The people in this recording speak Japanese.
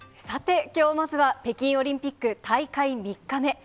さて、きょうまずは北京オリンピック大会３日目。